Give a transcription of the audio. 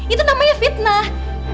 itu namanya fitnah